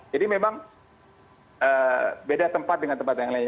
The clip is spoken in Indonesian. jadi memang beda tempat dengan tempat yang lain